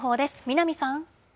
南さん。